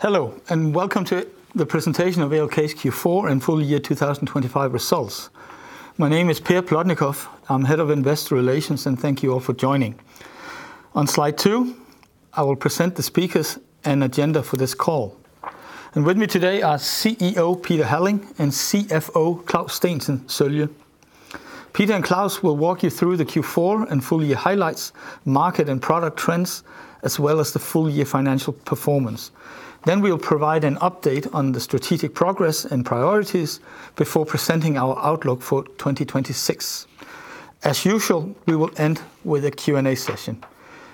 Hello, and welcome to the presentation of ALK's Q4 and full-year 2025 results. My name is Per Plotnikof. I'm Head of Investor Relations, and thank you all for joining. On slide 2, I will present the speakers and agenda for this call, and with me today are CEO, Peter Halling, and CFO, Claus Steensen Sølje. Peter and Claus will walk you through the Q4 and full-year highlights, market and product trends, as well as the full-year financial performance. Then we will provide an update on the strategic progress and priorities before presenting our outlook for 2026. As usual, we will end with a Q&A session.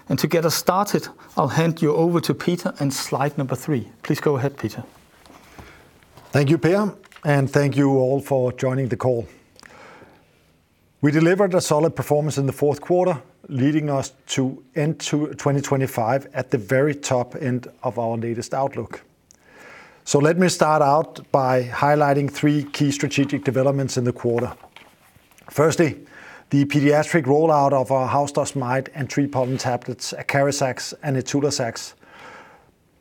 And to get us started, I'll hand you over to Peter on slide number three. Please go ahead, Peter. Thank you, Per, and thank you all for joining the call. We delivered a solid performance in the fourth quarter, leading us to end 2025 at the very top end of our latest outlook. Let me start out by highlighting three key strategic developments in the quarter. Firstly, the pediatric rollout of our house dust mite and tree pollen tablets, ACARIZAX and ITULAZAX,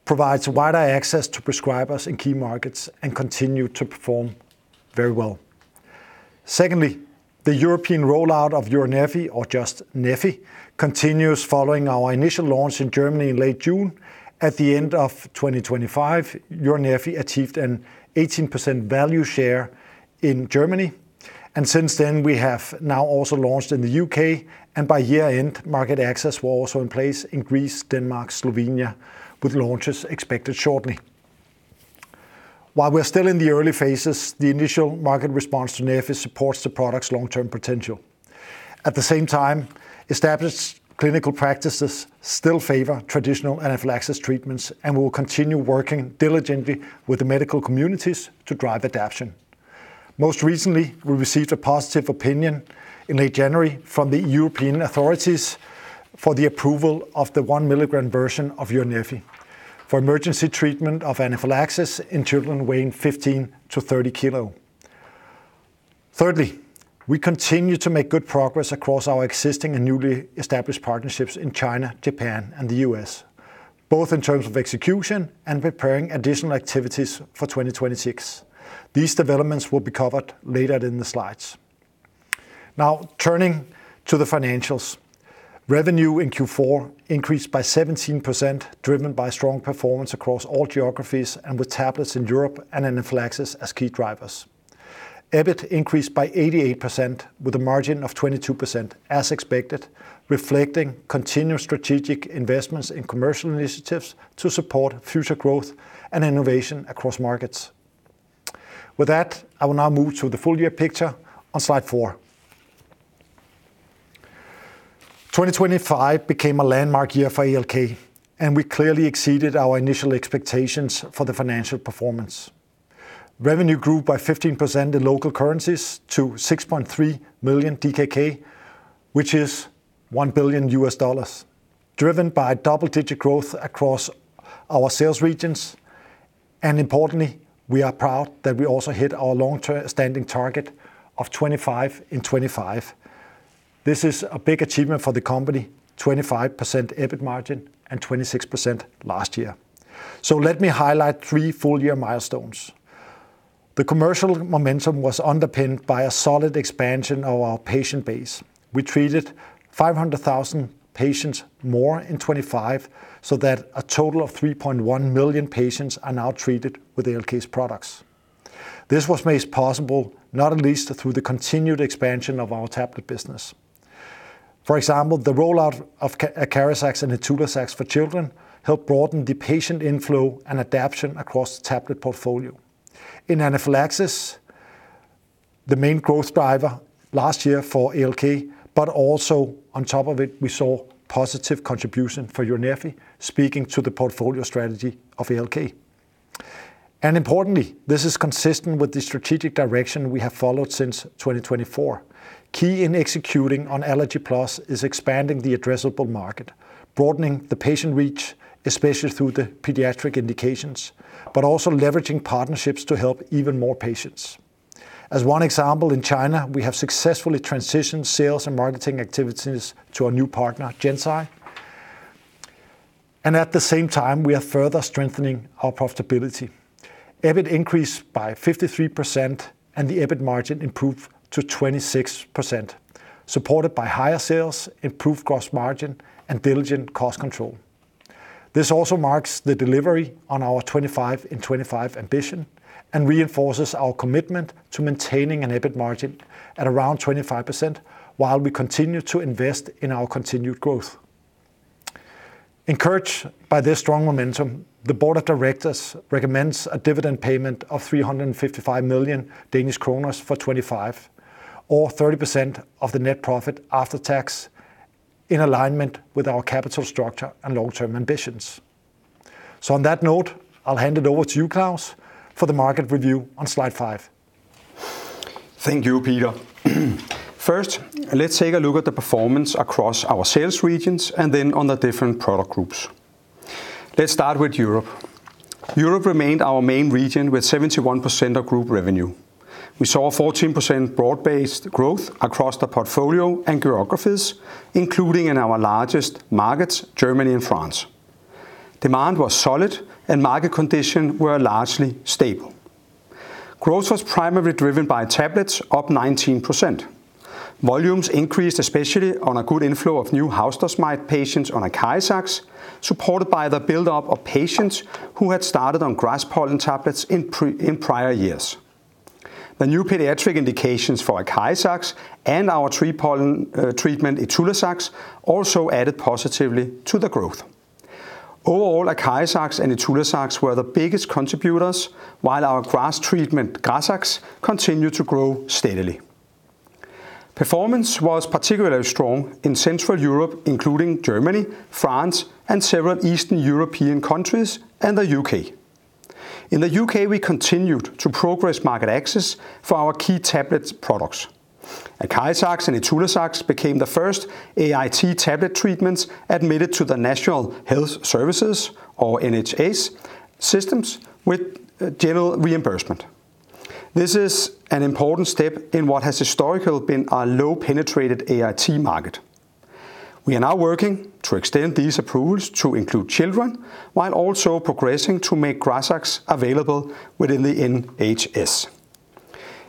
provides wider access to prescribers in key markets and continue to perform very well. Secondly, the European rollout of EURneffy, or just neffy, continues following our initial launch in Germany in late June. At the end of 2025, EURneffy achieved an 18% value share in Germany, and since then, we have now also launched in the U.K., and by year-end, market access was also in place in Greece, Denmark, Slovenia, with launches expected shortly. While we're still in the early phases, the initial market response to neffy supports the product's long-term potential. At the same time, established clinical practices still favor traditional anaphylaxis treatments, and we will continue working diligently with the medical communities to drive adoption. Most recently, we received a positive opinion in late January from the European authorities for the approval of the 1 mg version of EURneffy for emergency treatment of anaphylaxis in children weighing 15 kg-30 kg. Thirdly, we continue to make good progress across our existing and newly established partnerships in China, Japan, and the U.S., both in terms of execution and preparing additional activities for 2026. These developments will be covered later in the slides. Now, turning to the financials. Revenue in Q4 increased by 17%, driven by strong performance across all geographies and with tablets in Europe and anaphylaxis as key drivers. EBIT increased by 88%, with a margin of 22%, as expected, reflecting continued strategic investments in commercial initiatives to support future growth and innovation across markets. With that, I will now move to the full year picture on slide four. 2025 became a landmark year for ALK, and we clearly exceeded our initial expectations for the financial performance. Revenue grew by 15% in local currencies to 6.3 million DKK, which is $1 billion, driven by double-digit growth across our sales regions, and importantly, we are proud that we also hit our long-term standing target of 25% in 2025. This is a big achievement for the company, 25% EBIT margin and 26% last year. So let me highlight three full-year milestones. The commercial momentum was underpinned by a solid expansion of our patient base. We treated 500,000 patients more in 2025, so that a total of 3.1 million patients are now treated with ALK's products. This was made possible, not least through the continued expansion of our tablet business. For example, the rollout of ACARIZAX and ITULAZAX for children helped broaden the patient inflow and adoption across the tablet portfolio. In anaphylaxis, the main growth driver last year for ALK, but also on top of it, we saw positive contribution for EURneffy, speaking to the portfolio strategy of ALK. And importantly, this is consistent with the strategic direction we have followed since 2024. Key in executing on Allergy+ is expanding the addressable market, broadening the patient reach, especially through the pediatric indications, but also leveraging partnerships to help even more patients. As one example, in China, we have successfully transitioned sales and marketing activities to our new partner, GenSci, and at the same time, we are further strengthening our profitability. EBIT increased by 53%, and the EBIT margin improved to 26%, supported by higher sales, improved gross margin, and diligent cost control. This also marks the delivery on our 25% in 2025 ambition and reinforces our commitment to maintaining an EBIT margin at around 25%, while we continue to invest in our continued growth. Encouraged by this strong momentum, the board of directors recommends a dividend payment of 355 million Danish kroner for 2025, or 30% of the net profit after tax, in alignment with our capital structure and long-term ambitions. So on that note, I'll hand it over to you, Claus, for the market review on slide five. Thank you, Peter. First, let's take a look at the performance across our sales regions and then on the different product groups. Let's start with Europe. Europe remained our main region with 71% of group revenue. We saw a 14% broad-based growth across the portfolio and geographies, including in our largest markets, Germany and France. Demand was solid, and market conditions were largely stable. Growth was primarily driven by tablets, up 19%. Volumes increased, especially on a good inflow of new house dust mite patients on ACARIZAX, supported by the buildup of patients who had started on grass pollen tablets in prior years. The new pediatric indications for ACARIZAX and our tree pollen treatment, ITULAZAX, also added positively to the growth. Overall, ACARIZAX and ITULAZAX were the biggest contributors, while our grass treatment, GRAZAX, continued to grow steadily. Performance was particularly strong in Central Europe, including Germany, France, and several Eastern European countries, and the U.K.. In the U.K., we continued to progress market access for our key tablet products. ACARIZAX and ITULAZAX became the first AIT tablet treatments admitted to the National Health Service, or NHS, system with general reimbursement. This is an important step in what has historically been a low-penetrated AIT market. We are now working to extend these approvals to include children, while also progressing to make GRAZAX available within the NHS.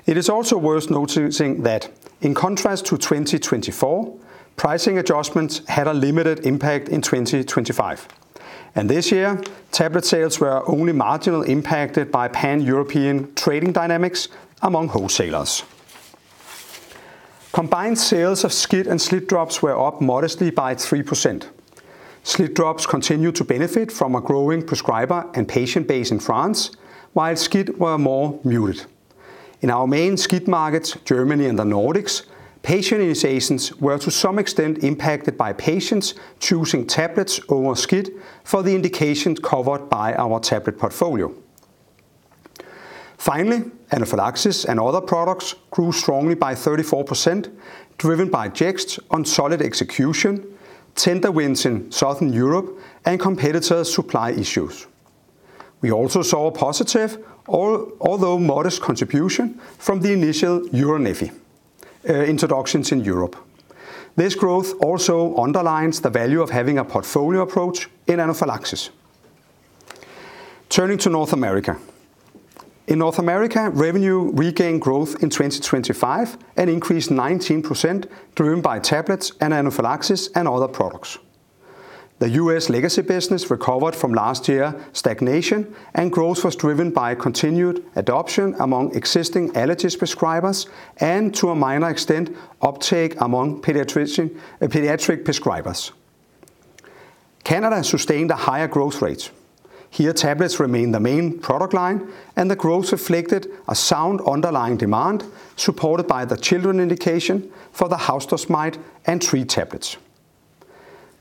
It is also worth noticing that in contrast to 2024, pricing adjustments had a limited impact in 2025, and this year, tablet sales were only marginally impacted by pan-European trading dynamics among wholesalers. Combined sales of SCIT and SLIT drops were up modestly by 3%. SLIT drops continued to benefit from a growing prescriber and patient base in France, while SCIT were more muted. In our main skin markets, Germany and the Nordics, patient initiations were to some extent impacted by patients choosing tablets over skin for the indications covered by our tablet portfolio. Finally, anaphylaxis and other products grew strongly by 34%, driven by Jext on solid execution, tender wins in Southern Europe, and competitor supply issues. We also saw a positive, although modest contribution from the initial EURneffy introductions in Europe. This growth also underlines the value of having a portfolio approach in anaphylaxis. Turning to North America. In North America, revenue regained growth in 2025 and increased 19%, driven by tablets and anaphylaxis and other products. The U.S. legacy business recovered from last year's stagnation, and growth was driven by continued adoption among existing allergy prescribers and, to a minor extent, uptake among pediatric prescribers. Canada sustained a higher growth rate. Here, tablets remain the main product line, and the growth reflected a sound underlying demand, supported by the children indication for the house dust mite and tree tablets.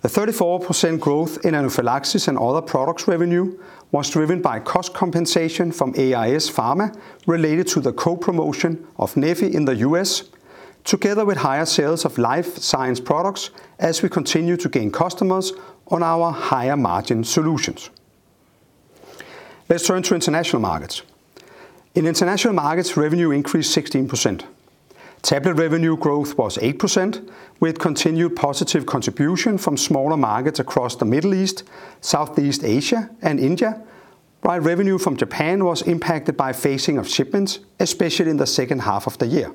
The 34% growth in anaphylaxis and other products revenue was driven by cost compensation from ARS Pharma related to the co-promotion of neffy in the U.S., together with higher sales of life science products as we continue to gain customers on our higher-margin solutions. Let's turn to international markets. In international markets, revenue increased 16%. Tablet revenue growth was 8%, with continued positive contribution from smaller markets across the Middle East, Southeast Asia, and India, while revenue from Japan was impacted by phasing of shipments, especially in the second half of the year.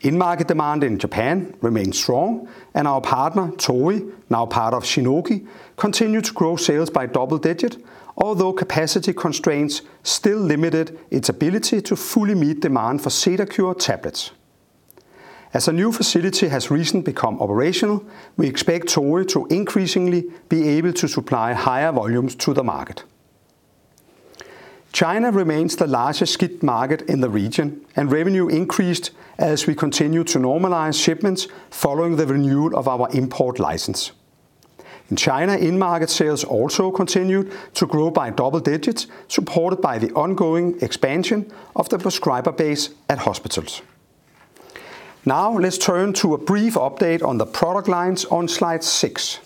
In-market demand in Japan remained strong, and our partner, Torii, now part of Shionogi, continued to grow sales by double-digit, although capacity constraints still limited its ability to fully meet demand for CEDARCURE tablets. As a new facility has recently become operational, we expect Torii to increasingly be able to supply higher volumes to the market. China remains the largest SCIT market in the region, and revenue increased as we continued to normalize shipments following the renewal of our import license. In China, in-market sales also continued to grow by double digits, supported by the ongoing expansion of the prescriber base at hospitals. Now, let's turn to a brief update on the product lines on slide six.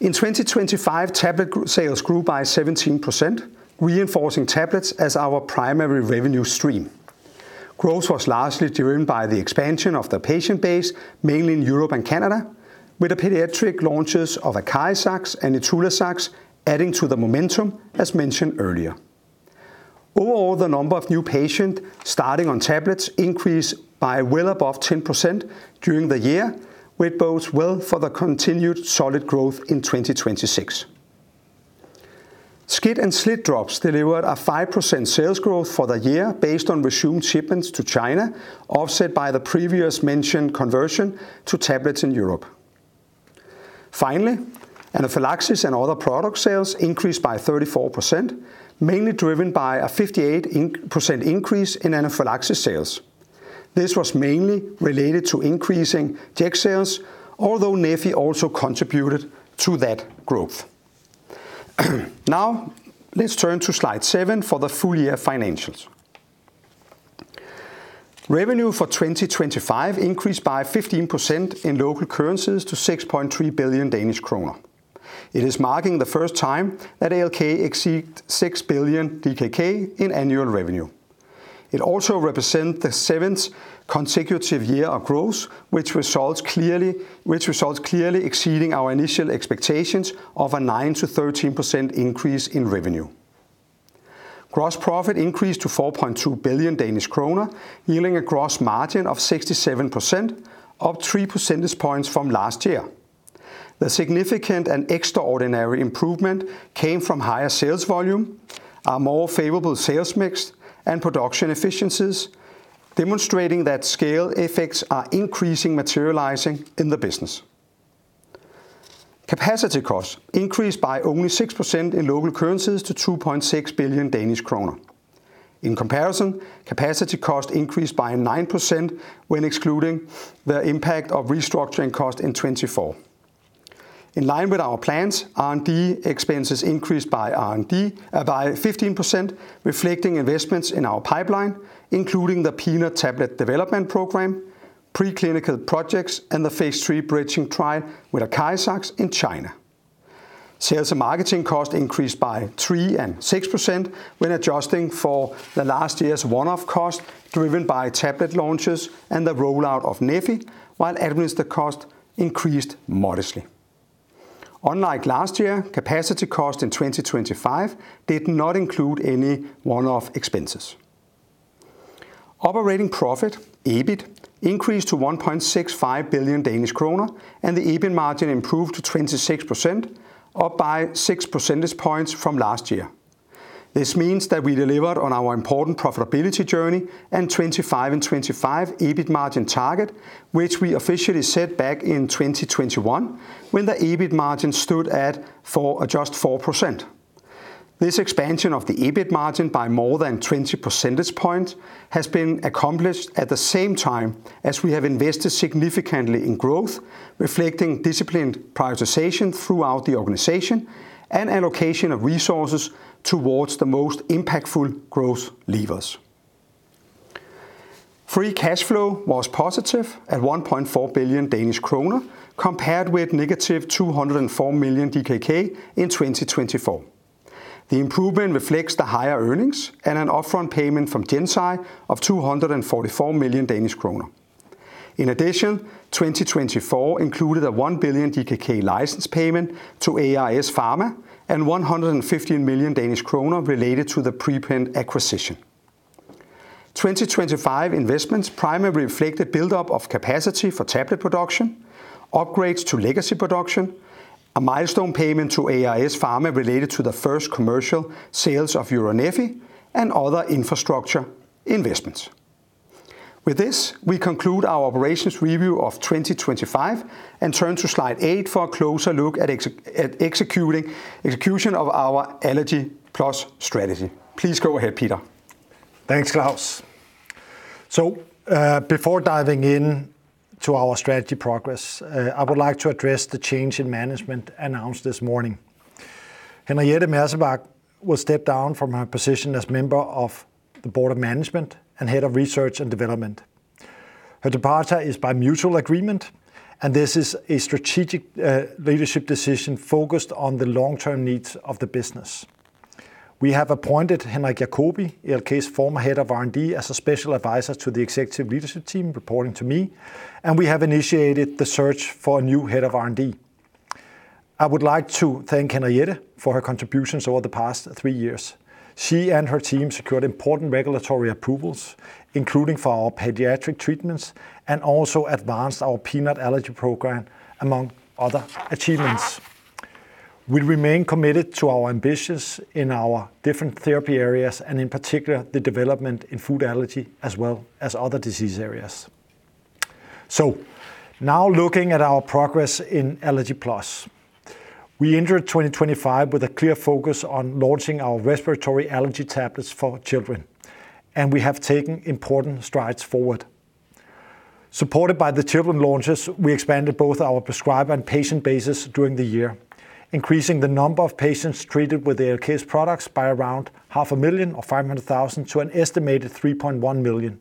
In 2025, tablet sales grew by 17%, reinforcing tablets as our primary revenue stream. Growth was largely driven by the expansion of the patient base, mainly in Europe and Canada, with the pediatric launches of ACARIZAX and ITULAZAX adding to the momentum, as mentioned earlier. Overall, the number of new patients starting on tablets increased by well above 10% during the year, which bodes well for the continued solid growth in 2026. Skin and SLIT drops delivered a 5% sales growth for the year based on resumed shipments to China, offset by the previously mentioned conversion to tablets in Europe. Finally, anaphylaxis and other product sales increased by 34%, mainly driven by a 58% increase in anaphylaxis sales. This was mainly related to increasing Jext sales, although neffy also contributed to that growth. Now, let's turn to slide seven for the full-year financials. Revenue for 2025 increased by 15% in local currencies to 6.3 billion Danish kroner. It is marking the first time that ALK exceeded 6 billion DKK in annual revenue. It also represent the seventh consecutive year of growth, which results clearly exceeding our initial expectations of a 9%-13% increase in revenue. Gross profit increased to 4.2 billion Danish kroner, yielding a gross margin of 67%, up 3 percentage points from last year. The significant and extraordinary improvement came from higher sales volume, a more favorable sales mix, and production efficiencies, demonstrating that scale effects are increasing materializing in the business. Capacity costs increased by only 6% in local currencies to 2.6 billion Danish kroner. In comparison, capacity cost increased by 9% when excluding the impact of restructuring costs in 2024. In line with our plans, R&D expenses increased by 15%, reflecting investments in our pipeline, including the peanut tablet development program, preclinical projects, and the phase III bridging trial with ACARIZAX in China. Sales and marketing costs increased by 3% and 6% when adjusting for the last year's one-off cost, driven by tablet launches and the rollout of neffy, while administrative costs increased modestly. Unlike last year, capacity costs in 2025 did not include any one-off expenses. Operating profit, EBIT, increased to 1.65 billion Danish kroner, and the EBIT margin improved to 26%, up by 6 percentage points from last year. This means that we delivered on our important profitability journey and 25 and 25 EBIT margin target, which we officially set back in 2021, when the EBIT margin stood at just 4%. This expansion of the EBIT margin by more than 20 percentage points has been accomplished at the same time as we have invested significantly in growth, reflecting disciplined prioritization throughout the organization and allocation of resources towards the most impactful growth levers. Free cash flow was positive at 1.4 billion Danish kroner, compared with -204 million DKK in 2024. The improvement reflects the higher earnings and an upfront payment from GenSci of 244 million Danish kroner. In addition, 2024 included a 1 billion DKK license payment to ARS Pharma and 150 million Danish kroner related to the PRE-PEN acquisition. 2025 investments primarily reflected buildup of capacity for tablet production, upgrades to legacy production, a milestone payment to ARS Pharma related to the first commercial sales of EURneffy, and other infrastructure investments. With this, we conclude our operations review of 2025 and turn to slide eight for a closer look at execution of our Allergy+ strategy. Please go ahead, Peter. Thanks, Claus. So, before diving into our strategy progress, I would like to address the change in management announced this morning. Henriette Mersebach will step down from her position as member of the Board of Management and Head of Research and Development. Her departure is by mutual agreement, and this is a strategic, leadership decision focused on the long-term needs of the business. We have appointed Henrik Jacobi, ALK's former Head of R&D, as a special advisor to the executive leadership team, reporting to me, and we have initiated the search for a new Head of R&D. I would like to thank Henriette for her contributions over the past three years. She and her team secured important regulatory approvals, including for our pediatric treatments, and also advanced our peanut allergy program, among other achievements. We remain committed to our ambitions in our different therapy areas, and in particular, the development in food allergy as well as other disease areas. So now looking at our progress in Allergy+. We entered 2025 with a clear focus on launching our respiratory allergy tablets for children, and we have taken important strides forward. Supported by the children launches, we expanded both our prescriber and patient bases during the year, increasing the number of patients treated with ALK's products by around 500,000, or 500,000, to an estimated 3.1 million.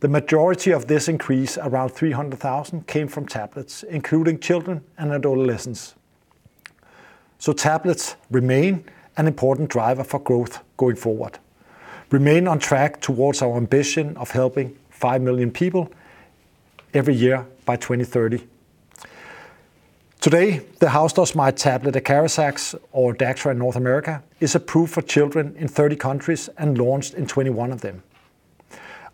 The majority of this increase, around 300,000, came from tablets, including children and adolescents. So tablets remain an important driver for growth going forward. Remain on track towards our ambition of helping 5 million people every year by 2030. Today, the house dust mite tablet, ACARIZAX, or ODACTRA in North America, is approved for children in 30 countries and launched in 21 of them.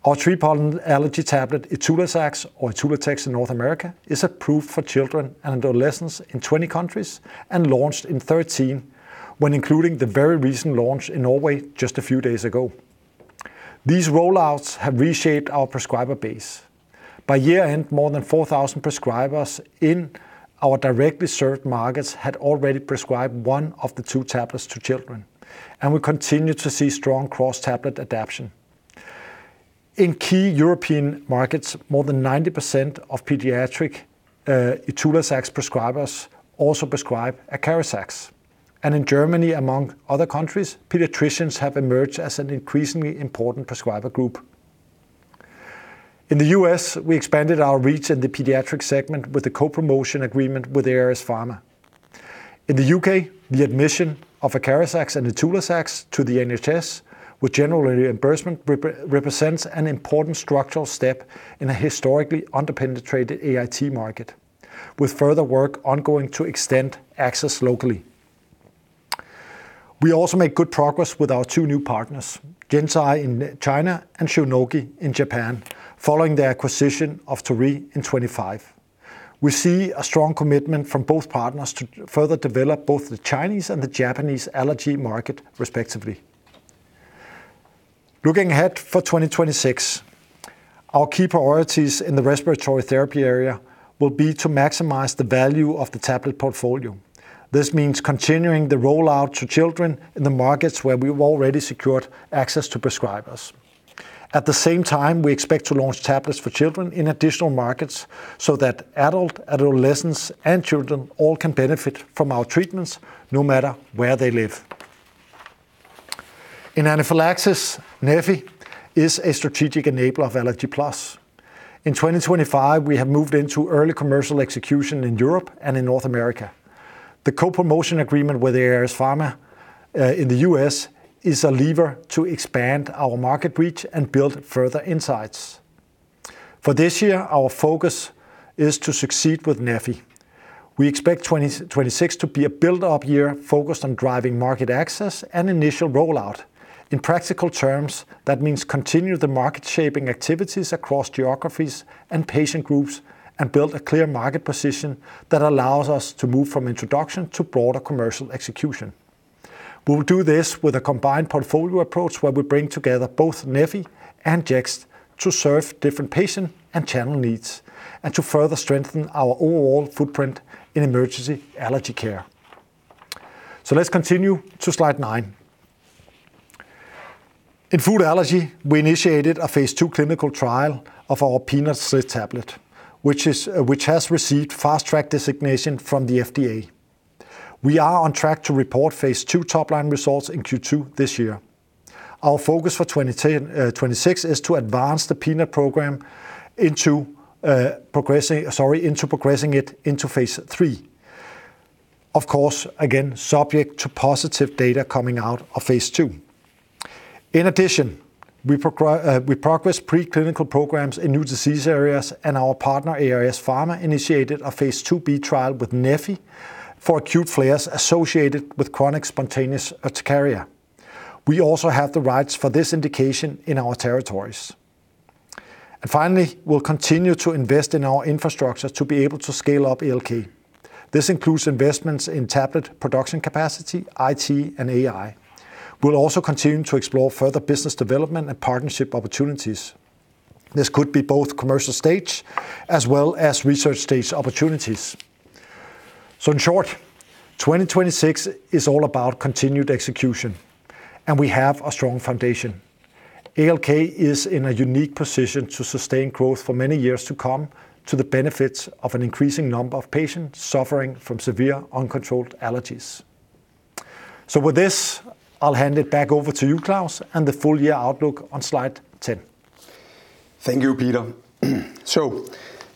Our three pollen allergy tablet, ITULAZAX, or ITULATEK in North America, is approved for children and adolescents in 20 countries and launched in 13, when including the very recent launch in Norway just a few days ago. These rollouts have reshaped our prescriber base. By year-end, more than 4,000 prescribers in our directly served markets had already prescribed one of the two tablets to children, and we continue to see strong cross-tablet adoption. In key European markets, more than 90% of pediatric ITULAZAX prescribers also prescribe ACARIZAX and in Germany, among other countries, pediatricians have emerged as an increasingly important prescriber group. In the U.S., we expanded our reach in the pediatric segment with a co-promotion agreement with ARS Pharmaceuticals. In the U.K., the admission of ACARIZAX and ITULAZAX to the NHS with general reimbursement represents an important structural step in a historically under-penetrated AIT market, with further work ongoing to extend access locally. We also made good progress with our two new partners, GenSci in China and Shionogi in Japan, following the acquisition of Torii in 2025. We see a strong commitment from both partners to further develop both the Chinese and the Japanese allergy market, respectively. Looking ahead for 2026, our key priorities in the respiratory therapy area will be to maximize the value of the tablet portfolio. This means continuing the rollout to children in the markets where we've already secured access to prescribers. At the same time, we expect to launch tablets for children in additional markets so that adult, adolescents, and children all can benefit from our treatments, no matter where they live. In anaphylaxis, neffy is a strategic enabler of Allergy+. In 2025, we have moved into early commercial execution in Europe and in North America. The co-promotion agreement with ARS Pharma in the U.S. is a lever to expand our market reach and build further insights. For this year, our focus is to succeed with neffy. We expect 2026 to be a build-up year focused on driving market access and initial rollout. In practical terms, that means continue the market-shaping activities across geographies and patient groups and build a clear market position that allows us to move from introduction to broader commercial execution. We will do this with a combined portfolio approach, where we bring together both neffy and Jext to serve different patient and channel needs, and to further strengthen our overall footprint in emergency allergy care. So let's continue to Slide nine. In food allergy, we initiated a phase II clinical trial of our peanut SLIT tablet, which has received fast track designation from the FDA. We are on track to report phase II top-line results in Q2 this year. Our focus for 2026 is to advance the peanut program into progressing it into phase III. Of course, again, subject to positive data coming out of phase II. In addition, we progress preclinical programs in new disease areas, and our partner, ARS Pharma, initiated a phase IIb trial with neffy for acute flares associated with chronic spontaneous urticaria. We also have the rights for this indication in our territories. And finally, we'll continue to invest in our infrastructure to be able to scale up ALK. This includes investments in tablet production capacity, IT, and AI. We'll also continue to explore further business development and partnership opportunities. This could be both commercial stage as well as research stage opportunities. So in short, 2026 is all about continued execution, and we have a strong foundation. ALK is in a unique position to sustain growth for many years to come to the benefits of an increasing number of patients suffering from severe, uncontrolled allergies. So with this, I'll hand it back over to you, Claus, and the full year outlook on slide 10. Thank you, Peter. So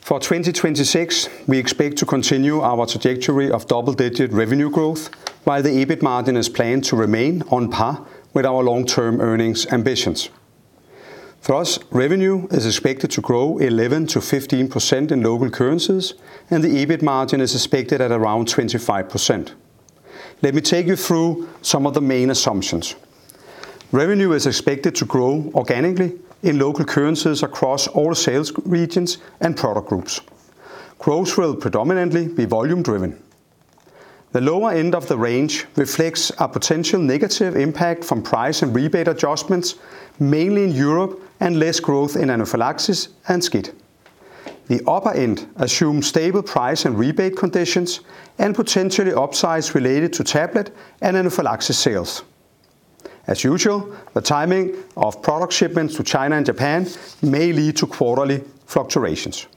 for 2026, we expect to continue our trajectory of double-digit revenue growth, while the EBIT margin is planned to remain on par with our long-term earnings ambitions. Thus, revenue is expected to grow 11%-15% in local currencies, and the EBIT margin is expected at around 25%. Let me take you through some of the main assumptions. Revenue is expected to grow organically in local currencies across all sales regions and product groups. Growth will predominantly be volume driven. The lower end of the range reflects a potential negative impact from price and rebate adjustments, mainly in Europe, and less growth in anaphylaxis and SCIT. The upper end assumes stable price and rebate conditions and potentially upsides related to tablet and anaphylaxis sales. As usual, the timing of product shipments to China and Japan may lead to quarterly fluctuations.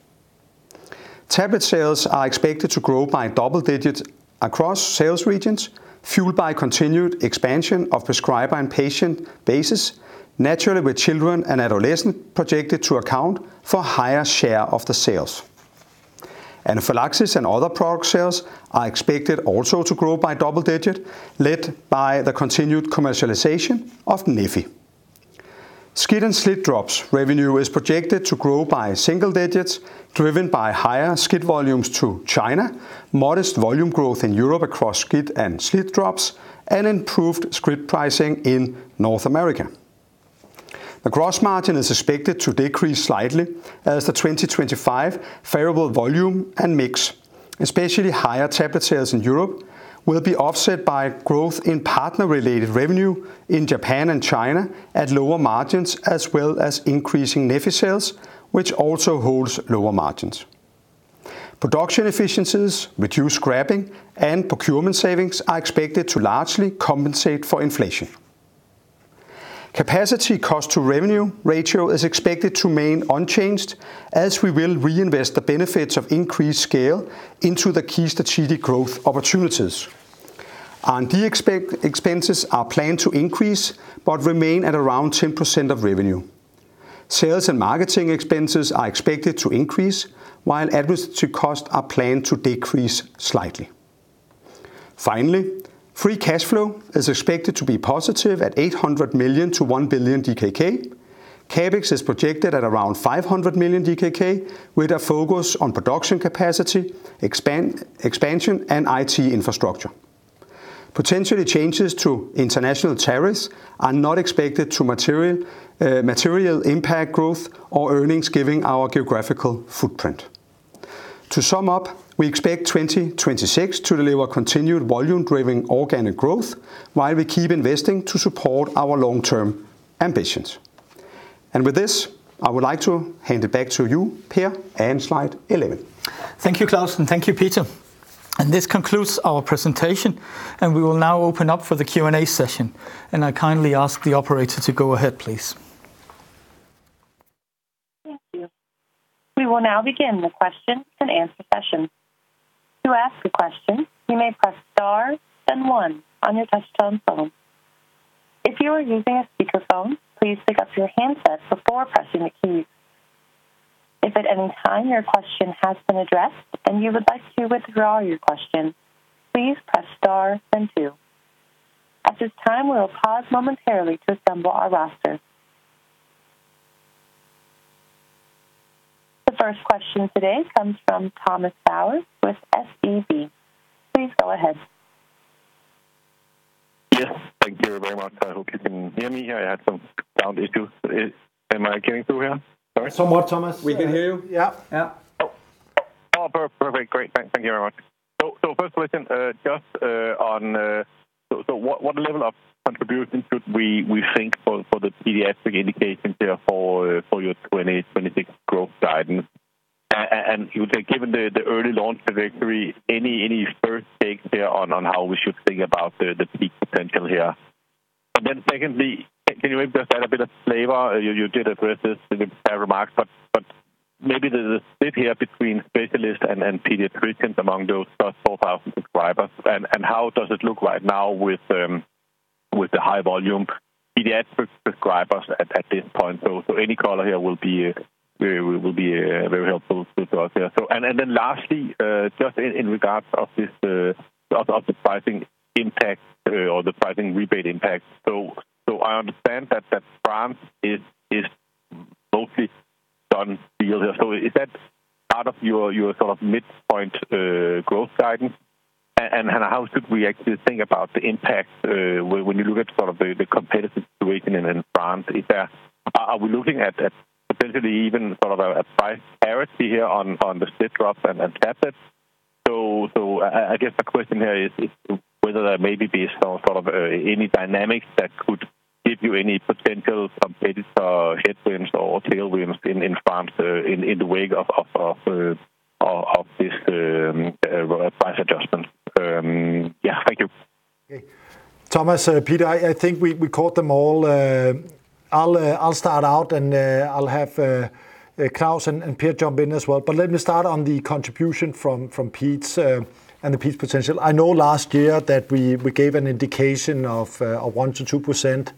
Tablet sales are expected to grow by double digits across sales regions, fueled by continued expansion of prescriber and patient bases, naturally, with children and adolescents projected to account for a higher share of the sales. Anaphylaxis and other product sales are expected also to grow by double digit, led by the continued commercialization of neffy. SCIT and SLIT-drops revenue is projected to grow by single digits, driven by higher SCIT volumes to China, modest volume growth in Europe across SCIT and SLIT-drops, and improved script pricing in North America. The gross margin is expected to decrease slightly, as the 2025 favorable volume and mix, especially higher tablet sales in Europe, will be offset by growth in partner-related revenue in Japan and China at lower margins, as well as increasing neffy sales, which also holds lower margins. Production efficiencies, reduced scrapping, and procurement savings are expected to largely compensate for inflation. Capacity cost to revenue ratio is expected to remain unchanged, as we will reinvest the benefits of increased scale into the key strategic growth opportunities. R&D expenses are planned to increase, but remain at around 10% of revenue. Sales and marketing expenses are expected to increase, while administrative costs are planned to decrease slightly. Finally, free cash flow is expected to be positive at 800 million-1 billion DKK. CapEx is projected at around 500 million DKK, with a focus on production capacity, expansion, and IT infrastructure. Potentially, changes to international tariffs are not expected to material impact growth or earnings, giving our geographical footprint. To sum up, we expect 2026 to deliver continued volume-driven organic growth, while we keep investing to support our long-term ambitions. With this, I would like to hand it back to you, Per, and slide 11. Thank you, Claus, and thank you, Peter. This concludes our presentation, and we will now open up for the Q&A session, and I kindly ask the operator to go ahead, please. Thank you. We will now begin the question-and-answer session. To ask a question, you may press star, then one on your touchtone phone. If you are using a speakerphone, please pick up your handset before pressing the key. If at any time your question has been addressed and you would like to withdraw your question, please press star then two. At this time, we will pause momentarily to assemble our roster. The first question today comes from Thomas Bowers with SEB. Please go ahead. Yes, thank you very much. I hope you can hear me. I had some sound issues. Am I getting through here? Sorry. One more, Thomas. We can hear you. Yeah, yeah. Oh, perfect. Great. Thank you very much. So first question, just on—so what level of contribution should we think for the pediatric indications here for your 2026 growth guidance? And given the early launch trajectory, any first takes here on how we should think about the peak potential here? And then secondly, can you maybe just add a bit of flavor? You did address this in your remarks, but maybe there's a split here between specialists and pediatricians among those first 4,000 subscribers. And how does it look right now with the high volume pediatric subscribers at this point? So any color here will be very helpful to us here. So, and then lastly, just in regards of this, of the pricing impact or the pricing rebate impact. So, I understand that France is mostly done deal. So is that part of your sort of midpoint growth guidance? And how should we actually think about the impact, when you look at sort of the competitive situation in France, is there, are we looking at potentially even sort of a price parity here on the SLIT drops and tablets? So, I guess the question here is whether there may be some sort of any dynamics that could give you any potential competitive headwinds or tailwinds in France, in the wake of this price adjustment? Yeah. Thank you. Okay. Thomas, Peter, I think we caught them all. I'll start out, and I'll have Claus and Per jump in as well. But let me start on the contribution from paeds and the paeds' potential. I know last year that we gave an indication of a 1%-2%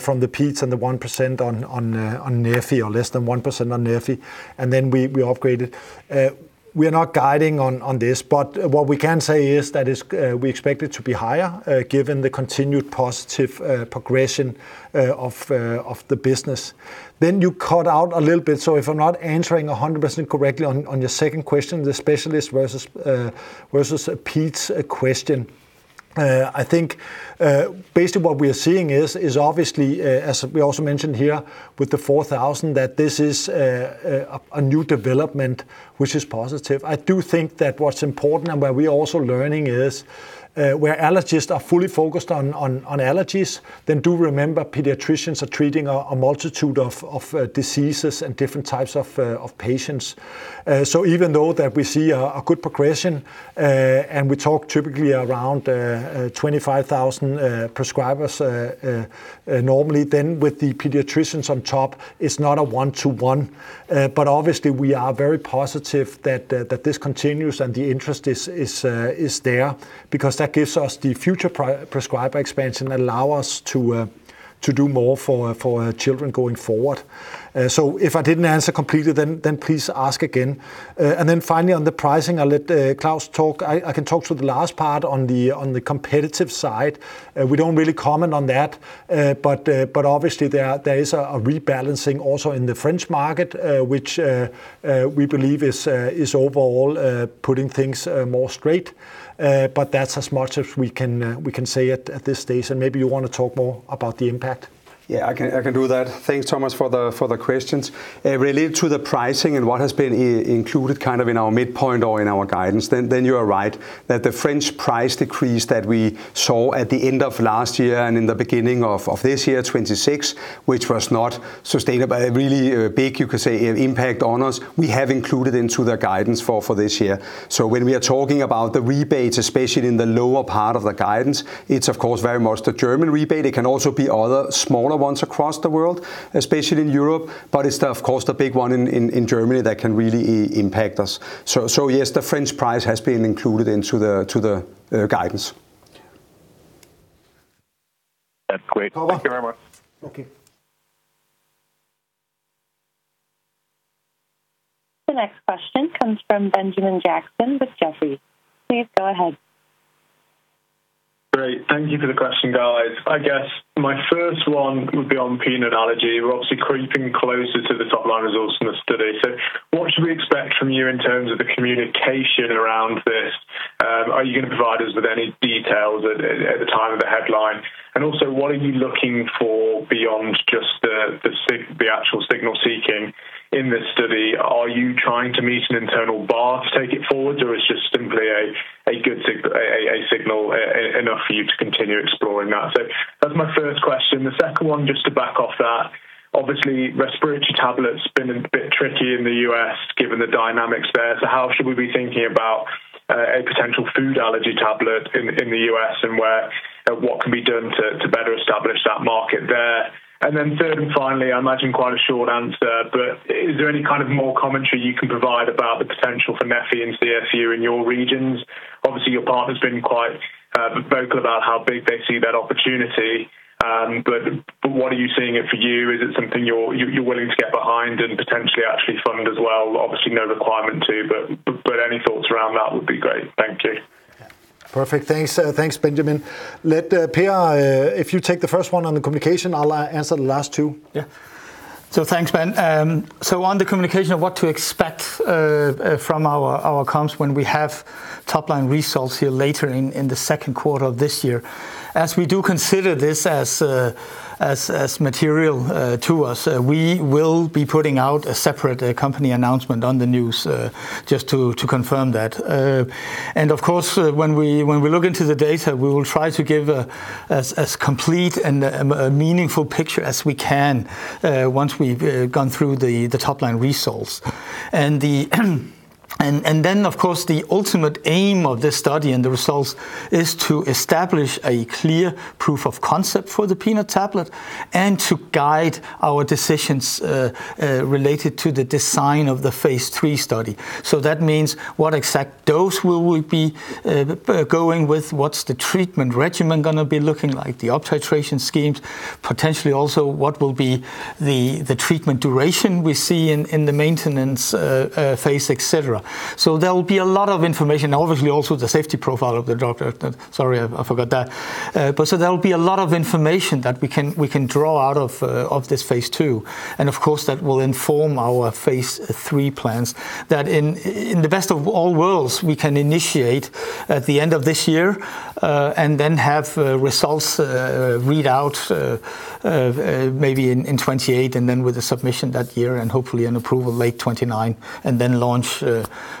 from the paedds and the 1% on neffy or less than 1% on neffy, and then we upgraded. We are not guiding on this, but what we can say is that we expect it to be higher given the continued positive progression of the business. Then you cut out a little bit, so if I'm not answering 100% correctly on, on your second question, the specialist versus, versus a paeds question. I think, basically what we are seeing is, is obviously, as we also mentioned here with the 4,000, that this is, a new development, which is positive. I do think that what's important, and where we are also learning is, where allergists are fully focused on, on, on allergies, then do remember pediatricians are treating a, a multitude of, of, of patients. So even though that we see a, a good progression, and we talk typically around, 25,000, prescribers, normally, then with the pediatricians on top, it's not a one-to-one. But obviously, we are very positive that this continues and the interest is there, because that gives us the future prescriber expansion and allow us to do more for children going forward. So if I didn't answer completely, then please ask again. And then finally, on the pricing, I'll let Claus talk. I can talk to the last part on the competitive side. We don't really comment on that, but obviously, there is a rebalancing also in the French market, which we believe is overall putting things more straight. But that's as much as we can say at this stage, and maybe you want to talk more about the impact. Yeah, I can, I can do that. Thanks, Thomas, for the, for the questions. Related to the pricing and what has been included kind of in our midpoint or in our guidance, then you are right, that the French price decrease that we saw at the end of last year and in the beginning of this year, 2026, which was not sustainable, a really big, you could say, impact on us, we have included into the guidance for this year. So when we are talking about the rebates, especially in the lower part of the guidance, it's of course very much the German rebate. It can also be other smaller ones across the world, especially in Europe, but it's of course the big one in Germany that can really impact us. So, yes, the French price has been included into the guidance. Great. Thank you very much. Okay. The next question comes from Benjamin Jackson with Jefferies. Please go ahead. Great, thank you for the question, guys. I guess my first one would be on peanut allergy. We're obviously creeping closer to the top-line results in the study. So what should we expect from you in terms of the communication around this? Are you going to provide us with any details at the time of the headline? And also, what are you looking for beyond just the actual signal seeking in this study? Are you trying to meet an internal bar to take it forward, or it's just simply a good signal enough for you to continue exploring that? So that's my first question. The second one, just to back off that, obviously, respiratory tablets has been a bit tricky in the U.S., given the dynamics there. So how should we be thinking about a potential food allergy tablet in the U.S., and where what can be done to better establish that market there? And then third, and finally, I imagine, quite a short answer, but is there any kind of more commentary you can provide about the potential for neffy and CSU in your regions? Obviously, your partner's been quite vocal about how big they see that opportunity. But what are you seeing it for you? Is it something you're willing to get behind and potentially actually fund as well? Obviously, no requirement to, but any thoughts around that would be great. Thank you. Perfect. Thanks, thanks, Benjamin. Let Per, if you take the first one on the communication, I'll answer the last two. Yeah. So thanks, Ben. On the communication of what to expect from our comms when we have top-line results here later in the second quarter of this year. As we do consider this as material to us, we will be putting out a separate company announcement on the news just to confirm that. And of course, when we look into the data, we will try to give as complete and a meaningful picture as we can once we've gone through the top-line results. And then, of course, the ultimate aim of this study and the results is to establish a clear proof of concept for the peanut tablet and to guide our decisions related to the design of the phase III study. So that means what exact dose will we be going with? What's the treatment regimen going to be looking like? The up-titration schemes, potentially also, what will be the treatment duration we see in the maintenance phase, et cetera. So there will be a lot of information, obviously, also the safety profile of the product. Sorry, I forgot that. But so there will be a lot of information that we can draw out of this phase II. And of course, that will inform our phase III plans, that in the best of all worlds, we can initiate at the end of this year, and then have results read out, maybe in 2028, and then with the submission that year, and hopefully an approval late 2029, and then launch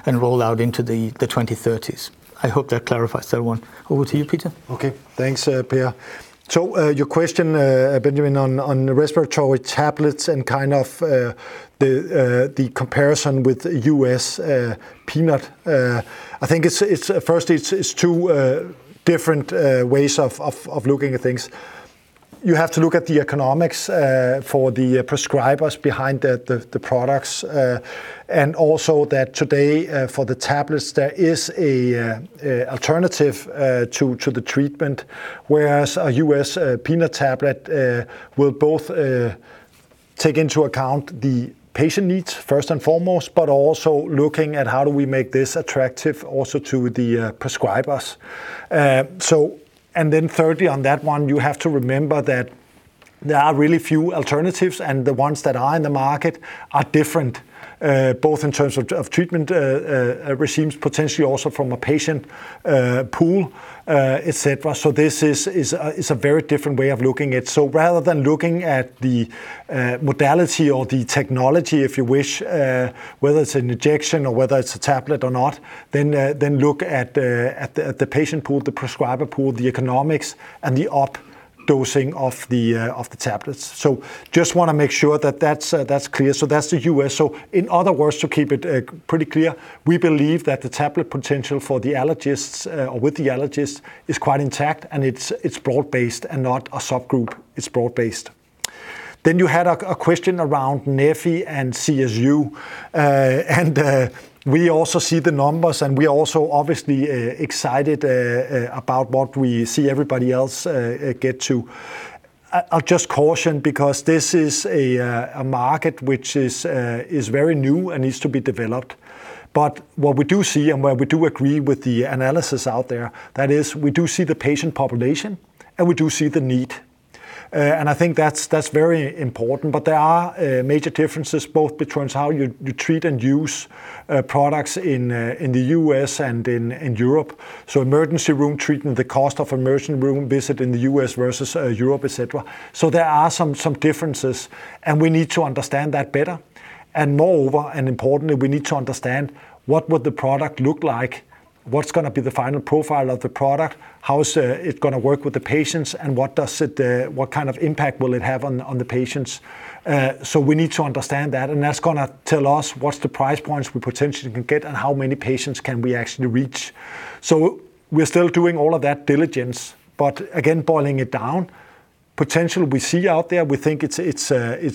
and roll out into the 2030s. I hope that clarifies that one. Over to you, Peter. Okay, thanks, Per. So, your question, Benjamin, on the respiratory tablets and kind of the comparison with U.S. peanut, I think it's firstly it's two different ways of looking at things. You have to look at the economics for the prescribers behind the products, and also that today for the tablets, there is an alternative to the treatment, whereas a U.S. peanut tablet will both take into account the patient needs first and foremost, but also looking at how do we make this attractive also to the prescribers. So and then thirdly, on that one, you have to remember that there are really few alternatives, and the ones that are in the market are different, both in terms of, of treatment regimes, potentially also from a patient pool, etc. So this is a very different way of looking at. So rather than looking at the modality or the technology, if you wish, whether it's an injection or whether it's a tablet or not, then look at the patient pool, the prescriber pool, the economics, and the up dosing of the tablets. So just want to make sure that that's clear. So that's the U.S. So in other words, to keep it pretty clear, we believe that the tablet potential for the allergists, or with the allergists, is quite intact, and it's broad-based and not a subgroup. It's broad-based. Then you had a question around neffy and CSU, and we also see the numbers, and we are also obviously excited about what we see everybody else get to. I'll just caution because this is a market which is very new and needs to be developed. But what we do see, and where we do agree with the analysis out there, that is, we do see the patient population, and we do see the need. And I think that's very important. But there are major differences, both between how you treat and use products in the U.S. and in Europe. So emergency room treatment, the cost of emergency room visit in the U.S. versus Europe, et cetera. So there are some differences, and we need to understand that better. And moreover, and importantly, we need to understand what would the product look like? What's gonna be the final profile of the product? How is it gonna work with the patients, and what does it, what kind of impact will it have on the patients? So we need to understand that, and that's gonna tell us what's the price points we potentially can get and how many patients can we actually reach. So we're still doing all of that diligence, but again, boiling it down, potentially, we see out there, we think it's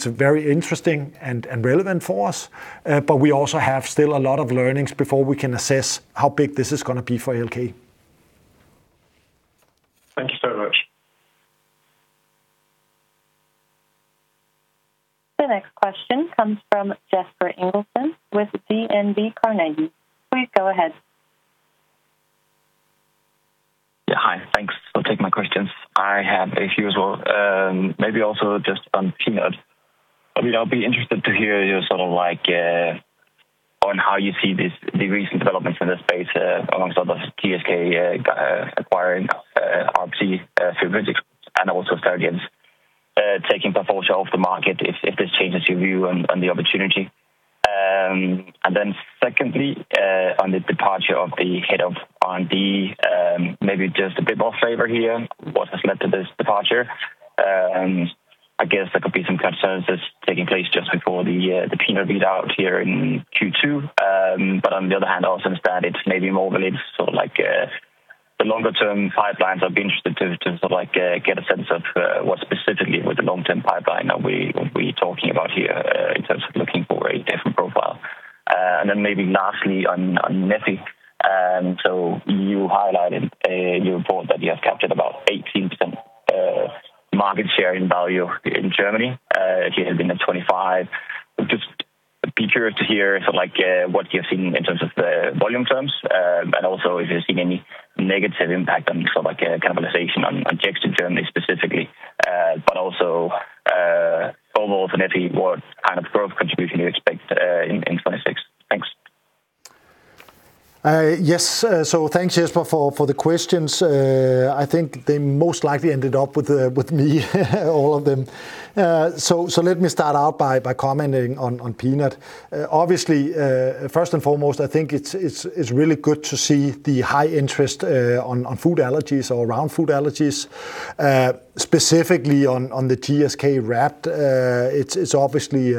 very interesting and relevant for us, but we also have still a lot of learnings before we can assess how big this is gonna be for ALK. Thank you, sir. The next question comes from Jesper Ilsøe with DNB Carnegie. Please go ahead. Yeah, hi. Thanks for taking my questions. I have a few as well, maybe also just on peanut. I mean, I'll be interested to hear your sort of like on how you see this, the recent developments in the space, amongst all those GSK acquiring RAPT Therapeutics, and also Stallergenes taking PALFORZIA off the market, if this changes your view on the opportunity. And then secondly, on the departure of the head of R&D, maybe just a bit more flavor here, what has led to this departure? I guess there could be some concerns that's taking place just before the peanut read out here in Q2. But on the other hand, I also understand it's maybe more related to sort of like the longer term pipelines. I'd be interested to sort of like get a sense of what specifically with the long-term pipeline are we talking about here in terms of looking for a different profile. And then maybe lastly, on neffy. So you highlighted your report that you have captured about 18% market share in value in Germany. It had been at 25. Just be curious to hear sort of like what you're seeing in terms of the volume terms and also if you're seeing any negative impact on sort of like a cannibalization on Jext in Germany specifically but also overall neffy what kind of growth contribution you expect in 2026? Thanks. Yes, so thanks, Jesper, for the questions. I think they most likely ended up with me, all of them. So let me start out by commenting on peanut. Obviously, first and foremost, I think it's really good to see the high interest on food allergies or around food allergies, specifically on the GSK-RAPT. It's obviously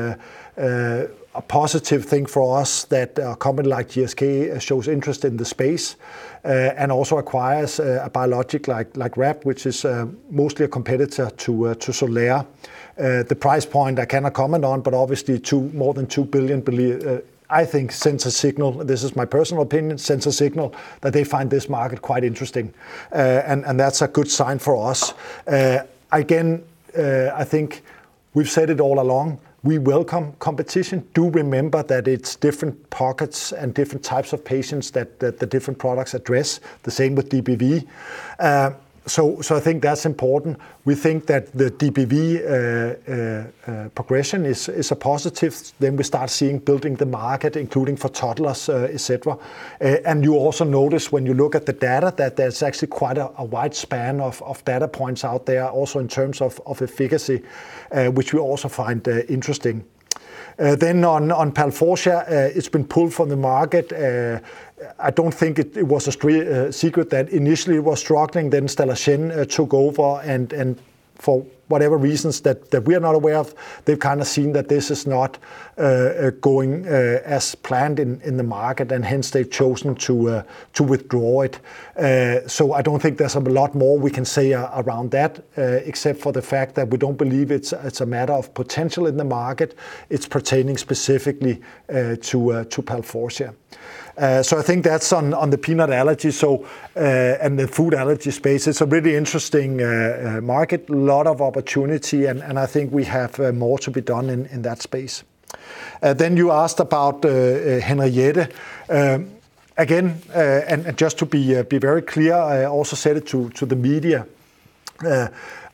a positive thing for us that a company like GSK shows interest in the space and also acquires a biologic like RAPT, which is mostly a competitor to XOLAIR. The price point I cannot comment on, but obviously more than $2 billion, believe, I think sends a signal, this is my personal opinion, sends a signal that they find this market quite interesting. And that's a good sign for us. Again, I think we've said it all along, we welcome competition. Do remember that it's different pockets and different types of patients that the different products address. The same with DBV. So I think that's important. We think that the DBV progression is a positive. Then we start seeing building the market, including for toddlers, et cetera. And you also notice when you look at the data, that there's actually quite a wide span of data points out there also in terms of efficacy, which we also find interesting. Then on PALFORZIA, it's been pulled from the market. I don't think it was a secret that initially was struggling, then Stallergenes took over, and for whatever reasons that we are not aware of, they've kind of seen that this is not going as planned in the market, and hence they've chosen to withdraw it. So I don't think there's a lot more we can say around that, except for the fact that we don't believe it's a matter of potential in the market. It's pertaining specifically to PALFORZIA. So I think that's on the peanut allergy. So, and the food allergy space, it's a really interesting market, a lot of opportunity, and I think we have more to be done in that space. Then you asked about Henriette. Again, and just to be very clear, I also said it to the media.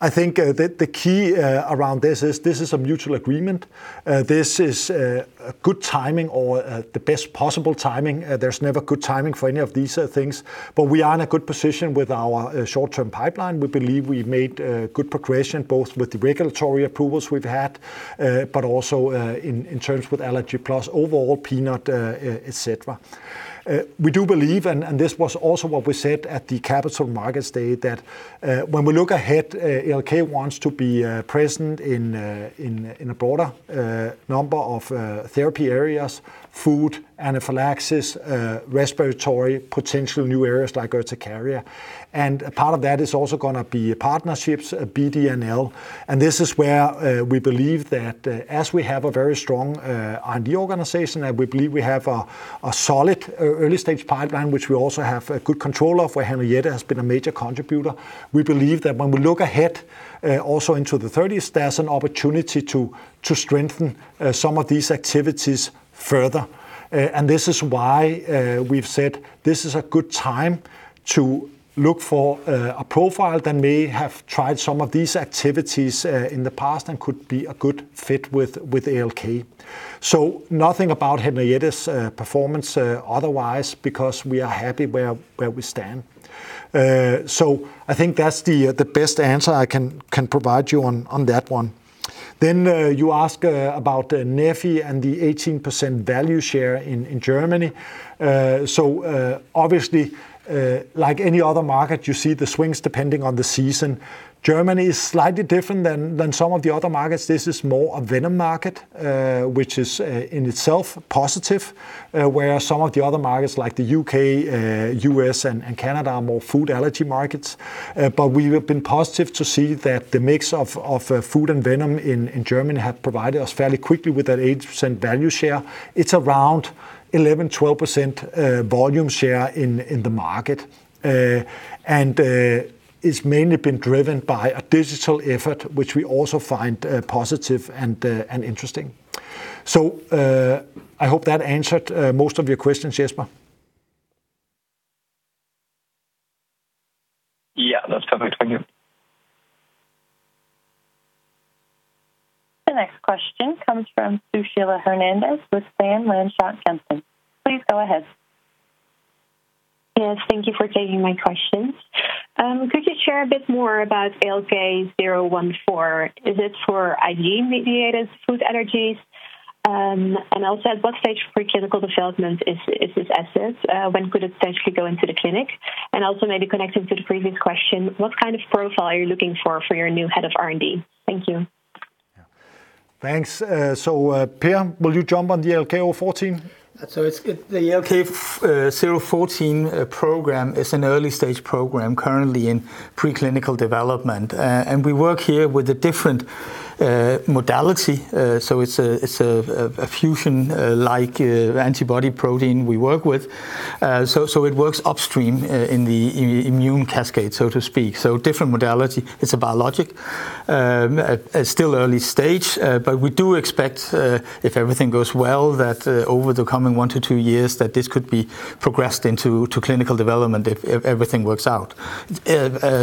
I think the key around this is, this is a mutual agreement. This is a good timing or the best possible timing. There's never good timing for any of these things, but we are in a good position with our short-term pipeline. We believe we've made good progression, both with the regulatory approvals we've had, but also in terms with Allergy+ overall peanut, et cetera. We do believe, and this was also what we said at the capital markets day, that when we look ahead, ALK wants to be present in a broader number of therapy areas: food, anaphylaxis, respiratory, potential new areas like urticaria. And a part of that is also gonna be partnerships, BD&L, and this is where we believe that as we have a very strong R&D organization, and we believe we have a solid early-stage pipeline, which we also have a good control of, where Henriette has been a major contributor. We believe that when we look ahead, also into the 30s, there's an opportunity to strengthen some of these activities further. And this is why we've said this is a good time to look for a profile that may have tried some of these activities in the past and could be a good fit with ALK. So nothing about Henriette's performance otherwise, because we are happy where we stand. So I think that's the best answer I can provide you on that one. Then you ask about neffy and the 18% value share in Germany. So obviously, like any other market, you see the swings depending on the season. Germany is slightly different than some of the other markets. This is more a venom market, which is, in itself positive, where some of the other markets, like the U.K., U.S., and Canada, are more food allergy markets. But we have been positive to see that the mix of, of, food and venom in, in Germany have provided us fairly quickly with that 18% value share. It's around 11%, 12% volume share in, in the market. And, it's mainly been driven by a digital effort, which we also find, positive and, and interesting. So, I hope that answered, most of your questions, Jesper? Yeah, that's perfect. Thank you. The next question comes from Sushila Hernandez with Van Lanschot Kempen. Please go ahead. Yes, thank you for taking my questions. Could you share a bit more about ALK-0014? Is it for IgE-mediated food allergies? And also, at what stage of preclinical development is this asset? When could it potentially go into the clinic? And also maybe connected to the previous question, what kind of profile are you looking for, for your new head of R&D? Thank you. Yeah. Thanks. So, Per, will you jump on the ALK-0014? It's good, the ALK-0014 program is an early stage program currently in preclinical development. And we work here with a different modality. So it's a fusion antibody protein we work with. So it works upstream in the immune cascade, so to speak. Different modality. It's a biologic. It's still early stage, but we do expect, if everything goes well, that over the coming one to two years, that this could be progressed into clinical development if everything works out.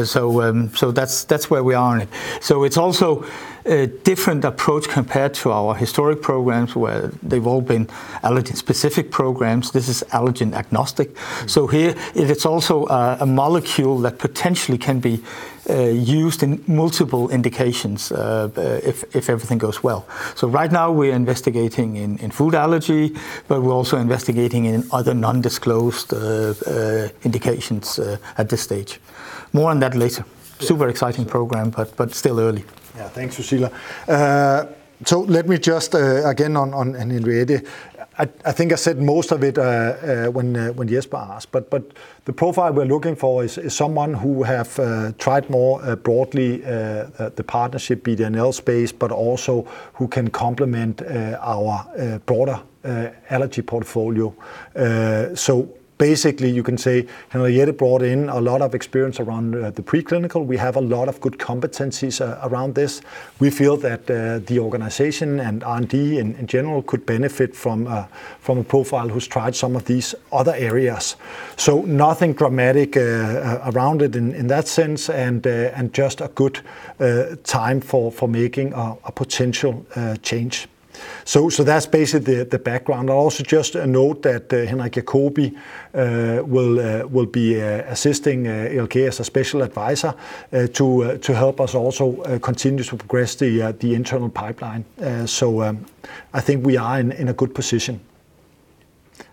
So that's where we are in it. So it's also a different approach compared to our historic programs, where they've all been allergen-specific programs. This is allergen agnostic. So here it's also a molecule that potentially can be used in multiple indications, if everything goes well. So right now, we are investigating in food allergy, but we're also investigating in other non-disclosed indications at this stage. More on that later. Super exciting program, but still early. Yeah. Thanks, Sushila. So let me just again, on, on, and really, I think I said most of it when Jesper asked, but the profile we're looking for is someone who have tried more broadly the partnership, BD&L space, but also who can complement our broader allergy portfolio. So basically you can say Henriette brought in a lot of experience around the preclinical. We have a lot of good competencies around this. We feel that the organization and R&D in general could benefit from a profile who's tried some of these other areas. So nothing dramatic around it in that sense, and just a good time for making a potential change. So that's basically the background. I'll also just a note that, Henrik Jacobi, will be assisting ALK as a special advisor, to help us also continue to progress the internal pipeline. So, I think we are in a good position.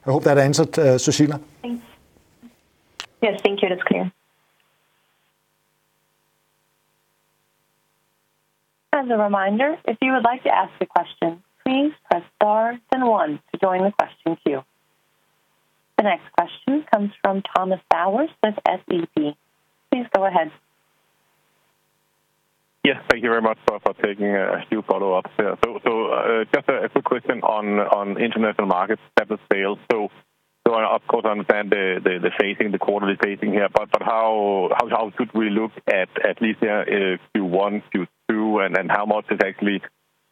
I hope that answered, Sushila. Thanks. Yes, thank you. That's clear. As a reminder, if you would like to ask a question, please press Star then one to join the question queue. The next question comes from Thomas Bowers with SEB. Please go ahead. Yes, thank you very much for taking a few follow-ups here. So, just a quick question on international markets at the sale. So, of course, I understand the phasing, the quarterly phasing here, but how could we look at least Q1, Q2, and then how much is actually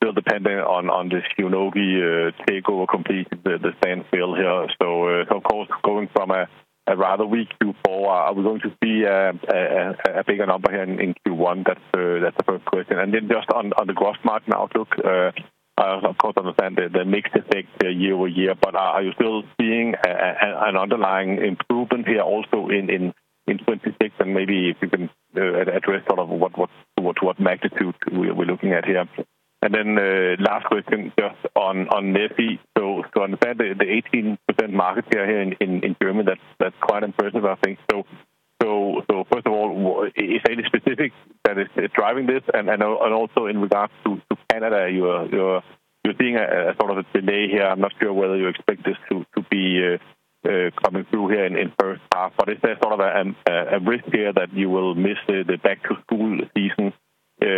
still dependent on this Shionogi takeover, complete the same field here. So, of course, going from a rather weak Q4, are we going to see a bigger number here in Q1? That's the first question. And then, just on the gross margin outlook, I of course understand the mixed effect year-over-year, but are you still seeing an underlying improvement here also in 2026? Maybe if you can address sort of what magnitude we're looking at here. And then, last question, just on neffy. So I understand the 18% market share here in Germany, that's quite impressive, I think. So first of all, is there any specific that is driving this? And also in regards to Canada, you're seeing a sort of a delay here. I'm not sure whether you expect this to be coming through here in first half, but is there sort of a risk here that you will miss the back-to-school season,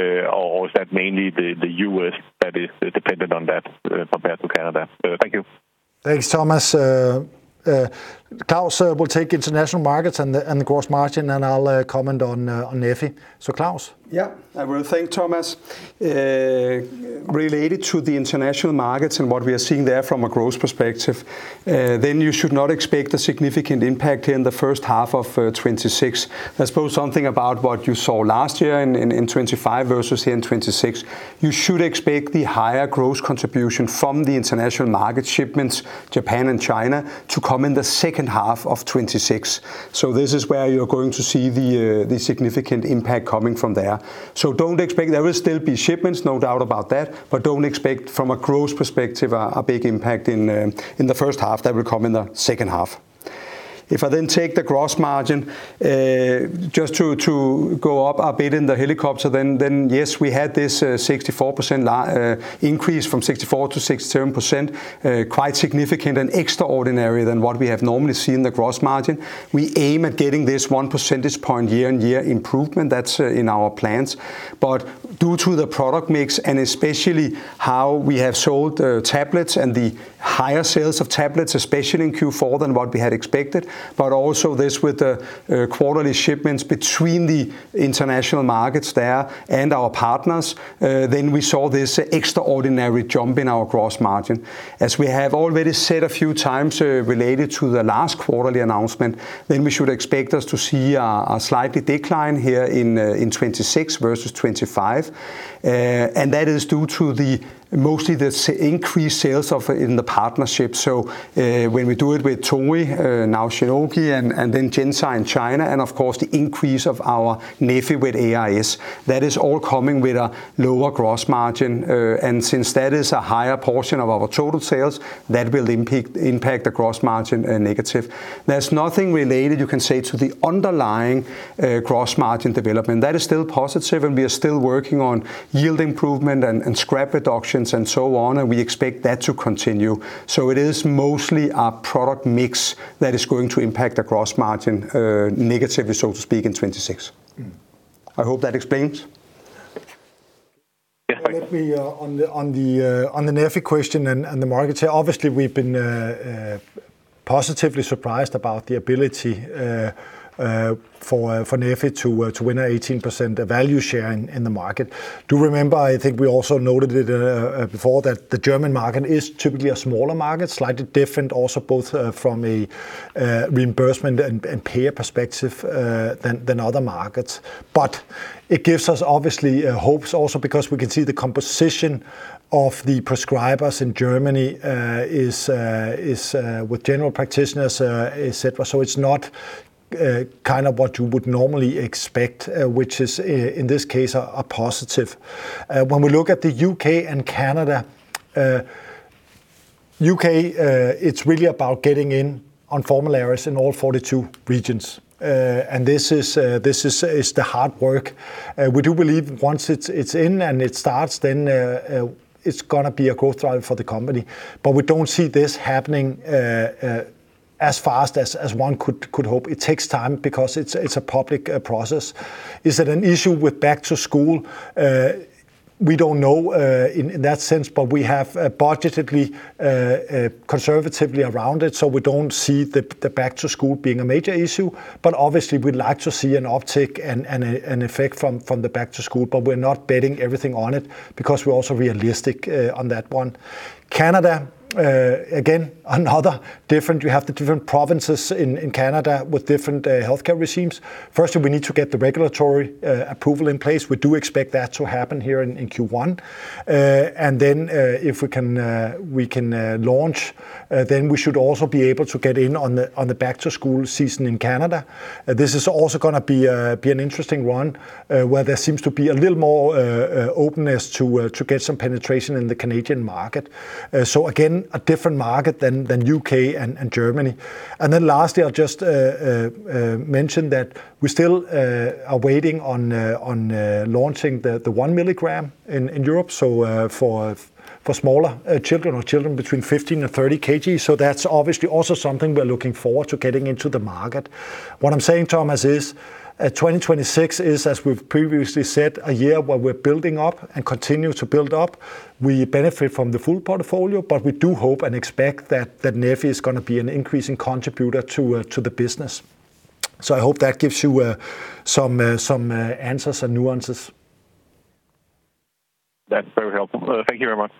or is that mainly the U.S. that is dependent on that, compared to Canada? Thank you. Thanks, Thomas. Claus will take international markets and the gross margin, and I'll comment on neffy. So Claus? Yeah, I will thank Thomas. Related to the international markets and what we are seeing there from a growth perspective, then you should not expect a significant impact in the first half of 2026. I suppose something about what you saw last year in 2025 versus in 2026, you should expect the higher gross contribution from the international market shipments, Japan and China, to come in the second half of 2026. So this is where you're going to see the significant impact coming from there. So don't expect, there will still be shipments, no doubt about that, but don't expect, from a growth perspective, a big impact in the first half. That will come in the second half. If I then take the gross margin, just to go up a bit in the helicopter, then yes, we had this 64% increase from 64% to 67%, quite significant and extraordinary than what we have normally seen the gross margin. We aim at getting this one percentage point year-on-year improvement, that's in our plans. But due to the product mix, and especially how we have sold tablets and the higher sales of tablets, especially in Q4, than what we had expected, but also this with the quarterly shipments between the international markets there and our partners, then we saw this extraordinary jump in our gross margin. As we have already said a few times, related to the last quarterly announcement, then we should expect us to see a slight decline here in 2026 versus 2025. And that is due to the mostly the increased sales of, in the partnership. So, when we do it with Torii, now Shionogi, and then GenSci in China, and of course, the increase of our neffy with ARS, that is all coming with a lower gross margin. And since that is a higher portion of our total sales, that will impact the gross margin negative. There's nothing related, you can say, to the underlying gross margin development. That is still positive, and we are still working on yield improvement and scrap reductions and so on, and we expect that to continue. So it is mostly a product mix that is going to impact the gross margin, negatively, so to speak, in 2026. I hope that explains. Yes, thank you. Let me on the neffy question and the market share, obviously, we've been positively surprised about the ability for neffy to win 18% of value share in the market. Do remember, I think we also noted it before, that the German market is typically a smaller market, slightly different also both from a reimbursement and payer perspective than other markets. But it gives us obviously hopes also because we can see the composition of the prescribers in Germany is with general practitioners, et cetera. So it's not kind of what you would normally expect, which is in this case, a positive. When we look at the U.K. and Canada, U.K., it's really about getting in on formularies in all 42 regions. And this is the hard work. We do believe once it's in and it starts, then it's gonna be a growth driver for the company. But we don't see this happening as fast as one could hope. It takes time because it's a public process. Is it an issue with back to school? We don't know in that sense, but we have budgetedly conservatively around it, so we don't see the back to school being a major issue. But obviously, we'd like to see an uptick and an effect from the back to school, but we're not betting everything on it because we're also realistic on that one. Canada, again, another different. We have the different provinces in Canada with different healthcare regimes. Firstly, we need to get the regulatory approval in place. We do expect that to happen here in Q1. And then, if we can launch, then we should also be able to get in on the back to school season in Canada. This is also gonna be an interesting one, where there seems to be a little more openness to get some penetration in the Canadian market. So again, a different market than U.K. and Germany. Then lastly, I'll just mention that we still are waiting on launching the 1 milligram in Europe, so for smaller children or children between 15 and 30 kg. So that's obviously also something we're looking forward to getting into the market. What I'm saying, Thomas, is 2026 is, as we've previously said, a year where we're building up and continue to build up. We benefit from the full portfolio, but we do hope and expect that neffy is gonna be an increasing contributor to the business. So I hope that gives you some answers and nuances. That's very helpful. Thank you very much.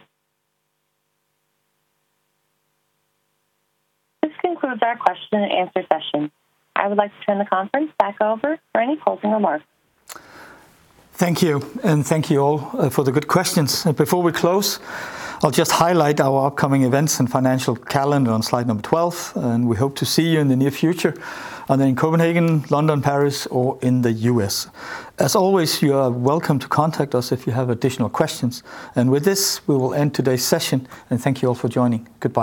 This concludes our question and answer session. I would like to turn the conference back over for any closing remarks. Thank you, and thank you all, for the good questions. Before we close, I'll just highlight our upcoming events and financial calendar on slide number 12, and we hope to see you in the near future, either in Copenhagen, London, Paris, or in the U.S. As always, you are welcome to contact us if you have additional questions. With this, we will end today's session, and thank you all for joining. Goodbye.